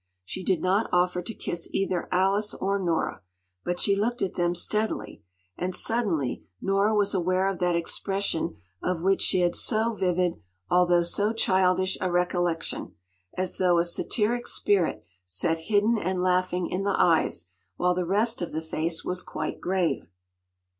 She did not offer to kiss either Alice or Nora. But she looked at them steadily, and suddenly Nora was aware of that expression of which she had so vivid although so childish a recollection—as though a satiric spirit sat hidden and laughing in the eyes, while the rest of the face was quite grave.